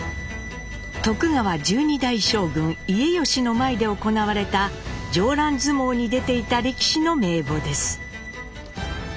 徳川１２代将軍家慶の前で行われた上覧相撲に出ていた力士の名簿です。